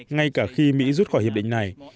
ngay cả khi mỹ rút khỏi hiệp định này